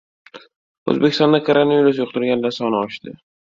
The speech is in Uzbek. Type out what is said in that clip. O‘zbekistonda koronavirus yuqtirganlar soni oshdi